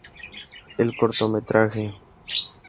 El cortometraje